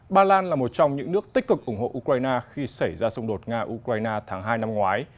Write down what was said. ba lan là một trong những nước tích cực ủng hộ ukraine khi xảy ra xung đột nga ukraine tháng hai năm ngoái